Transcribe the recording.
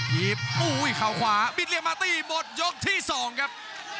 ทีบอุ้ยขาวขวาบิดเลี่ยมมาตี้หมดยกที่สองครับ